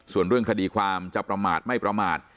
ส่วนเรื่องคดีความจะประมาทไม่ประมาท